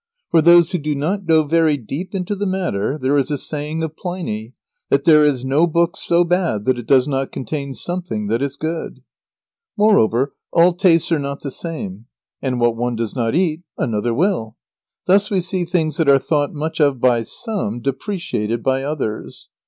For those who do not go very deep into the matter there is a saying of Pliny "that there is no book so bad that it does not contain something that is good." Moreover, all tastes are not the same, and what one does not eat another will. Thus we see things that are thought much of by some, depreciated by others.